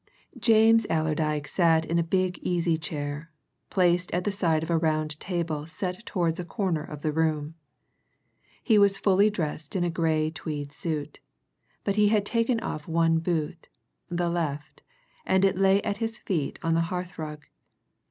James Allerdyke sat in a big easy chair, placed at the side of a round table set towards a corner of the room. He was fully dressed in a grey tweed suit, but he had taken off one boot the left and it lay at his feet on the hearthrug.